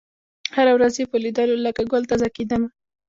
هره ورځ یې په لېدلو لکه ګل تازه کېدمه